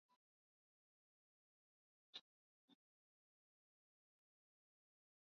Es arī biju Ārlietu komisijā, un es atturējos balsojumā par šo grozījumu.